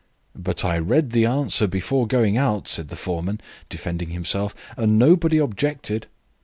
"But I read the answer before going out," said the foreman, defending himself, "and nobody objected."